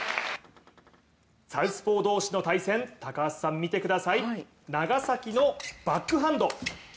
サウスポー同士の対戦、高橋さん見てください、長崎のバックハンド。